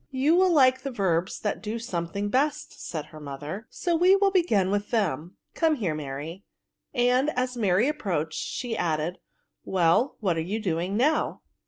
'^ You will like the verbs that do some thing best," said her mother, " so we will begin with them. Come here, Mary ; aad, as Mary approached, she added, '' well« what are you doing now?"